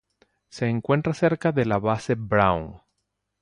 Se encuentra cerca de la base Brown.